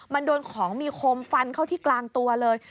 มันโดนของมีคมฟันเข้าที่กลางตัวเลย